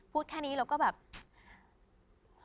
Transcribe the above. พูดแค่นี้เราก็แบบ